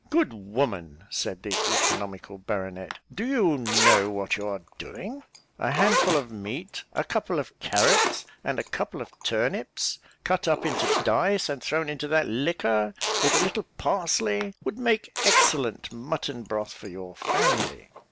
"Good woman," said the economical baronet, "do you know what you are doing? A handful of meat, a couple of carrots, and a couple of turnips, cut up into dice, and thrown into that liquor, with a little parsley, would make excellent mutton broth for your family."